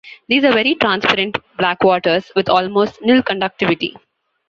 These are very transparent blackwaters with almost nil conductivity.